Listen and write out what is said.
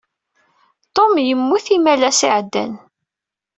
Tum yemmut imalas iɛeddan.